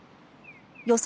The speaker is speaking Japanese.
予想